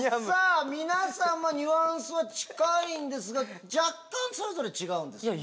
皆様ニュアンスは近いんですが若干それぞれ違うんですね。